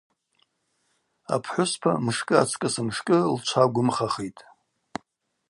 Апхӏвыспа мшкӏы ацкӏыс мшкӏы лчва гвымхахитӏ.